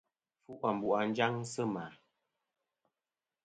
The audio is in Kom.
Fu ambu' à njaŋ sɨ mà.